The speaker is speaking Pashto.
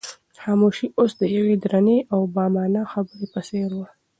خاموشي اوس د یوې درنې او با مانا خبرې په څېر وه.